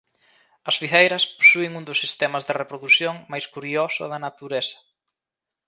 As figueiras posúen un dos sistemas de reprodución máis curioso da natureza.